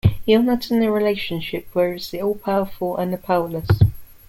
You're not in a relationship where it's the all-powerful and the powerless.